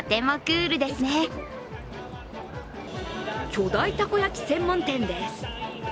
巨大たこ焼き専門店です。